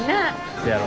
せやろ。